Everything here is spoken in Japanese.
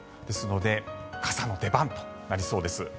ですので傘の出番となりそうです。